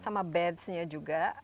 sama bedsnya juga